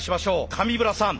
上村さん。